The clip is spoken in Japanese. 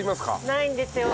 ないんですよ。